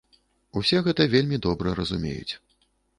Усе гэта вельмі добра разумеюць.